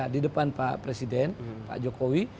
di depan pak presiden pak jokowi